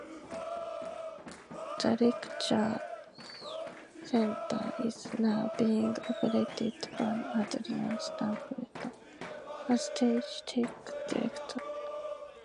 The lecture center is now being operated by Adrian Stapleton, a stage tech director.